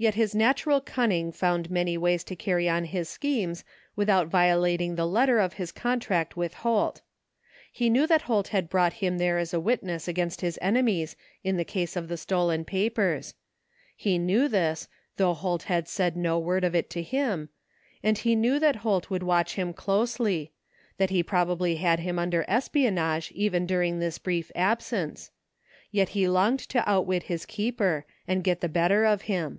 Yet his natiu'al cunning found many ways to carry on his schemes without violating the letter of his contract with Holt. He knew that Holt had brought him there as a witness against his enemies in the case of the stolen papers — ^he knew this, though Holt had said no word of it to him — and he knew that Holt would watch him closely — ^that he probably had him under espionage even during this brief absence; yet he longed to outwit his keeper and get the better of him.